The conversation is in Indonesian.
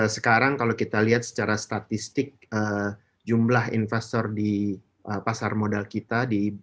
sekarang kalau kita lihat secara statistik jumlah investor di pasar modal kita